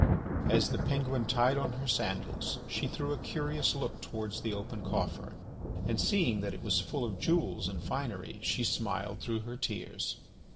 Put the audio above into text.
As the penguin tied on her sandals she threw a curious look towards the open coffer, and seeing that it was full of jewels and finery, she smiled through her tears.